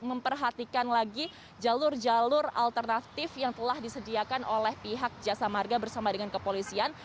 memperhatikan lagi jalur jalur alternatif yang telah disediakan oleh pihak jasa marga bersama dengan kepolisian